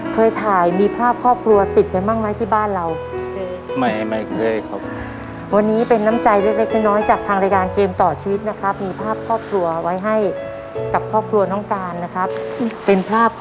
เคยถ่ายมีภาพครอบครัวติดกันบ้างไหมที่บ้านเรา